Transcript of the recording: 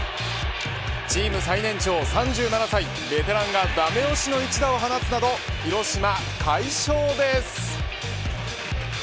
チーム最年長、３７歳ベテランがダメ押しの一打を放つなど広島が快勝です。